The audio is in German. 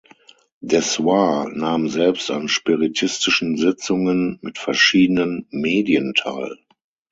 Dessoir nahm selbst an spiritistischen Sitzungen mit verschiedenen Medien teil.